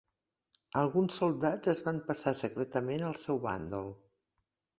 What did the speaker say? Alguns soldats es van passar secretament al seu bàndol.